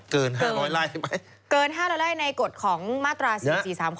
เกินห้าน้อยไล่ไหมเกินห้าน้อยไล่ในกฎของมาตราสี่สี่สามข้อ